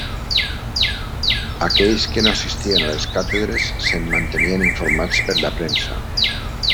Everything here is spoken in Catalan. Aquells que no assistien a les càtedres se'n mantenien informats per la premsa.